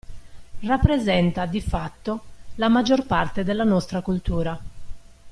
Rappresenta, di fatto, la maggior parte della nostra cultura.